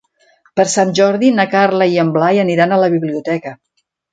Per Sant Jordi na Carla i en Blai aniran a la biblioteca.